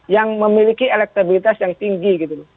yang memiliki elektabilitas yang tinggi gitu loh